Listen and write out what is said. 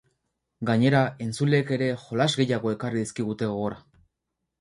Gainera, entzuleek ere jolas gehiago ekarri dizkigute gogora.